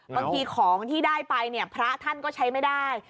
บางทีของที่ได้ไปเนี่ยพระท่านก็ใช้ไม่ได้